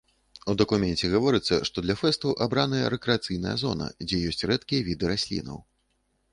У дакуменце гаворыцца, што для фэсту абраная рэкрэацыйная зона, дзе ёсць рэдкія віды раслінаў.